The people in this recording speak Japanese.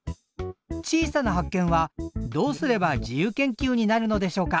小さな発見はどうすれば自由研究になるのでしょうか？